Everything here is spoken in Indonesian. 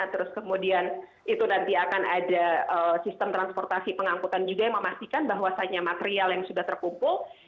terus kemudian itu nanti akan ada sistem transportasi pengangkutan juga yang memastikan bahwasannya material yang sudah terkumpul